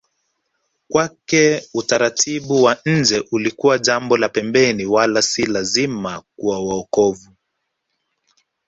Kwake utaratibu wa nje ulikuwa jambo la pembeni wala si lazima kwa wokovu